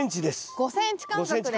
５ｃｍ間隔で。